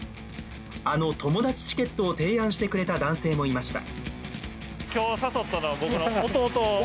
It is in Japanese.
あの「友達チケット」を提案してくれた男性もいました。